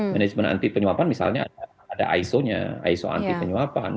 manajemen anti penyuapan misalnya ada iso nya iso anti penyuapan